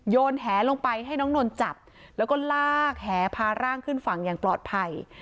แหลงไปให้น้องนนท์จับแล้วก็ลากแหพาร่างขึ้นฝั่งอย่างปลอดภัย